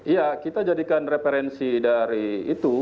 ya kita jadikan referensi dari itu